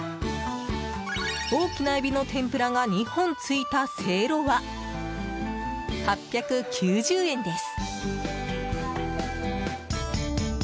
大きなエビの天ぷらが２本ついたせいろは８９０円です。